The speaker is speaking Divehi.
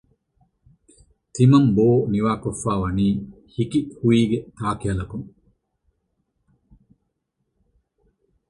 ތިމަން ބޯ ނިވާކޮށްފައިވަނީ ހިކިހުއިގެ ތާކިހަލަކުން